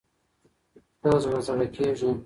ته زړه کیږي